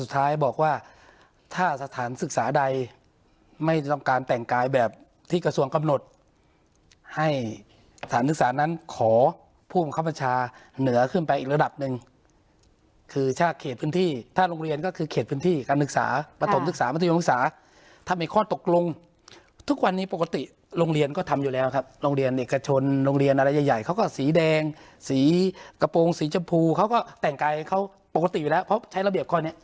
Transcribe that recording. ท้ายบอกว่าถ้าสถานศึกษาใดไม่ต้องการแต่งกายแบบที่กระทรวงกำหนดให้สถานศึกษานั้นขอผู้บังคับประชาเหนือขึ้นไปอีกระดับหนึ่งคือถ้าเขตพื้นที่ถ้าโรงเรียนก็คือเขตพื้นที่การศึกษาประสงค์ศึกษามัธยมศึกษาทำให้ข้อตกลงทุกวันนี้ปกติโรงเรียนก็ทำอยู่แล้วครับโรงเร